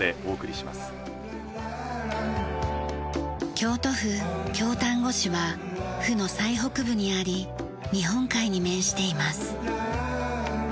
京都府京丹後市は府の最北部にあり日本海に面しています。